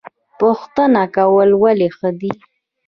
پوښتنه کول ولې ښه دي؟